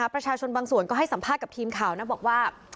ประชาชนบางส่วนก็ให้สัมภาษณ์กับทีมข่าวนะบอกว่า